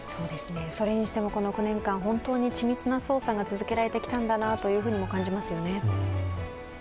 それにしても、この９年間、本当に緻密な捜査が続けられてきたんだなとも感じますよね。